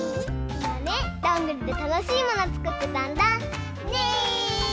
いまねどんぐりでたのしいものつくってたんだ。ね！